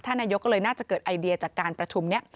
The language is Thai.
นายกก็เลยน่าจะเกิดไอเดียจากการประชุมนี้